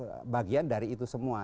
pancasila kan bagian dari itu semua